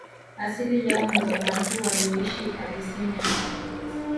Asili yao ni Wabantu walioishi Abysinia